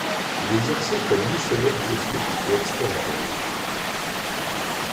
Il exerçait comme missionnaire jésuite et explorateur.